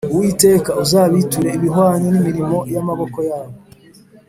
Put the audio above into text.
Uwiteka, Uzabiture ibihwanye n’imirimo y’amaboko yabo!